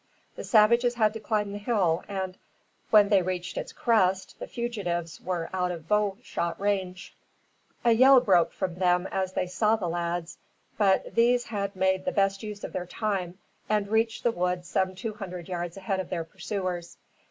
The savages had to climb the hill and, when they reached its crest, the fugitives were out of bow shot range. A yell broke from them as they saw the lads, but these had made the best use of their time, and reached the wood some two hundred yards ahead of their pursuers.